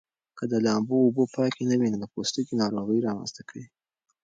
که د لامبو اوبه پاکې نه وي نو د پوستکي ناروغۍ رامنځته کوي.